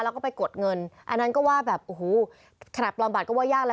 แล้วก็ไปกดเงินอันนั้นก็ว่าแบบโอ้โหขนาดปลอมบัตรก็ว่ายากแล้ว